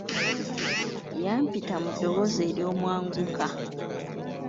Yampita mu ddoboozi eryomwanguka.